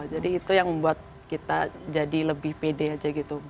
jadi itu yang membuat kita jadi lebih pede aja gitu